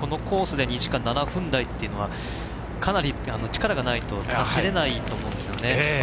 このコースで２時間７分台というのはかなり力がないと走れないと思うんですよね。